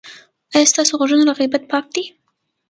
ایا ستاسو غوږونه له غیبت پاک دي؟